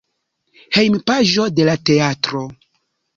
Hejmpaĝo de la teatro.